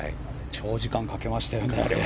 長時間、かけましたよね。